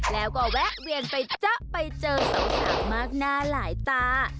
แล้วก็แวะเวียนไปเจอสาวมากหน้าหลายตา